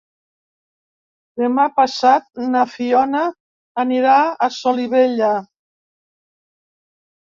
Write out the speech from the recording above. Demà passat na Fiona anirà a Solivella.